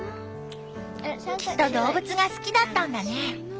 きっと動物が好きだったんだね。